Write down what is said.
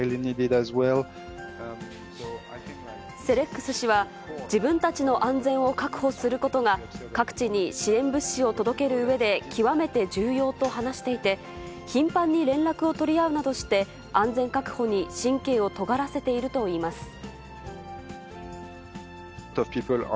セレックス氏は、自分たちの安全を確保することが、各地に支援物資を届けるうえで、極めて重要と話していて、頻繁に連絡を取り合うなどして、安全確保に神経をとがらせているといいます。